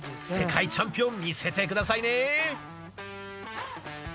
世界チャンピオン魅せてくださいね。